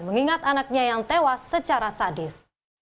mengingat anaknya yang tewas secara sadis